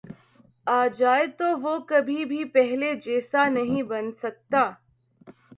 آ جائے تو وہ کبھی بھی پہلے جیسا نہیں بن سکتا